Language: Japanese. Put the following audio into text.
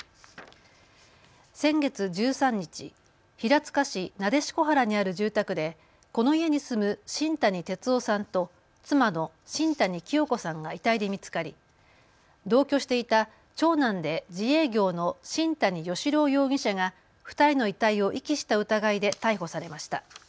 先月１３日、平塚市撫子原にある住宅でこの家に住む新谷哲男さんと妻の新谷清子さんが遺体で見つかり同居していた長男で自営業の新谷嘉朗容疑者が２人の遺体を遺棄した疑いで逮捕されました。